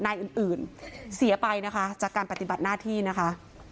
นายอื่นเสียไปนะคะจากการปฏิบัติหน้าที่นะคะ